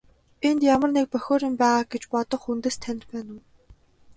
Энд ямар нэг бохир юм байгаа гэж бодох үндэс танд байна уу?